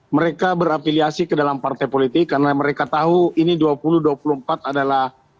mereka berafiliasi ke dalam partai politik karena mereka tahu ini dua ribu dua puluh empat adalah